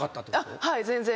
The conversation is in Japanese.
はい全然。